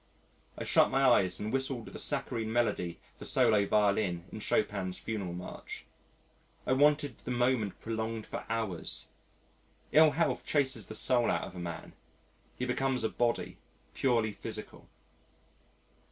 I shut my eyes and whistled the saccharine melody for solo violin in Chopin's Funeral March. I wanted the moment prolonged for hours. Ill health chases the soul out of a man. He becomes a body, purely physical.